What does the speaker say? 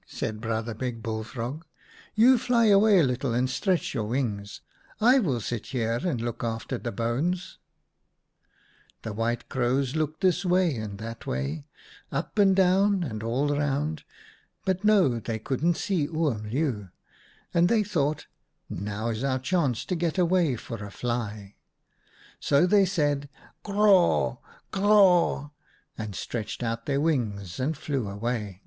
' said Brother Big Bullfrog, ' You fly away a little and stretch your wings. I will sit here and look after the bones.' THE FLYING LION in " The White Crows looked this way and that way, up and down and all round, but no! they couldn't see Oom Leeuw, and they thought :' Now is our chance to get away for a fly/ " So they said ' Cr r raw, cr r raw !' and stretched out their wings and flew away.